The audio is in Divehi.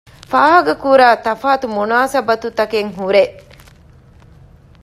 ފާހަގަކުރާ ތަފާތު މުނާސަބަތުތަކެއް ހުރޭ